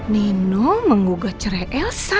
nino menggugat cerai elsa